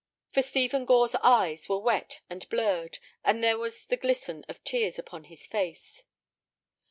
For Stephen Gore's eyes were wet and blurred, and there was the glisten of tears upon his face.